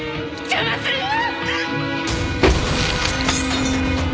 邪魔するな！